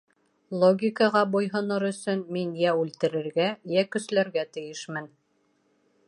Логикаға буйһонор өсөн, мин йә үлтерергә, йә көсләргә тейешмен.